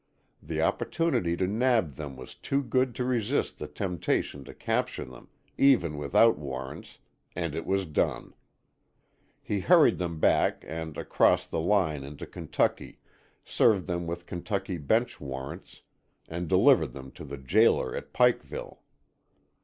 The opportunity to nab them was too good to resist the temptation to capture them, even without warrants, and it was done. He hurried them back and across the line into Kentucky, served them with Kentucky bench warrants and delivered them to the jailer at Pikeville.